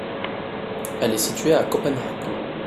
Elle est située à Copenhague.